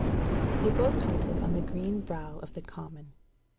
They both halted on the green brow of the Common.